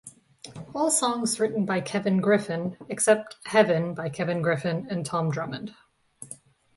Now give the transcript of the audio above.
All songs written by Kevin Griffin, except "Heaven" by Kevin Griffin and Tom Drummond.